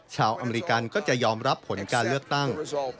อเมริกันก็จะยอมรับผลการเลือกตั้ง